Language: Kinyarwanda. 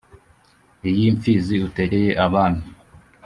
iyi mfizi uterekeye abami